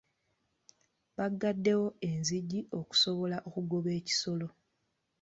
Baggaddewo enzigi okusobola okugoba ekisolo.